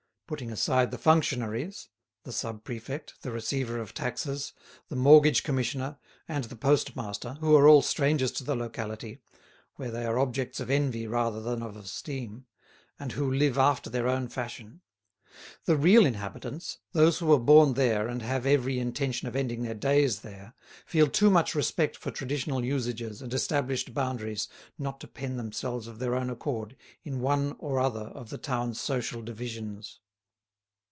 Putting aside the functionaries—the sub prefect, the receiver of taxes, the mortgage commissioner, and the postmaster, who are all strangers to the locality, where they are objects of envy rather than of esteem, and who live after their own fashion—the real inhabitants, those who were born there and have every intention of ending their days there, feel too much respect for traditional usages and established boundaries not to pen themselves of their own accord in one or other of the town's social divisions.